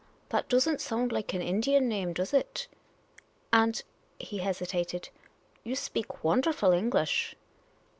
That does n't .sound like an Indian name, does it? And " he hesitated, " you speak w^onderful Eng lish